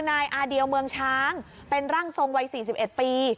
นายอาเดียวเมืองช้างเป็นร่างทรงวัยสี่สิบเอ็ดปี